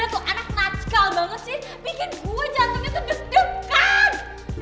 aku minta maaf jangan tinggalin aku mas